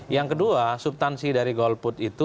yang kedua subtansi dari golput itu